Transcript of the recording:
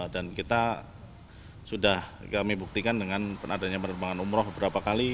dan kita sudah kami buktikan dengan penadanya penerbangan umroh beberapa kali